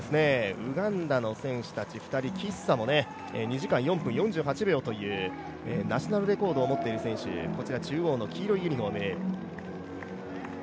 ウガンダの選手たち２人、キッサもナショナルレコードを持っている選手、中央の黄色いユニフォーム。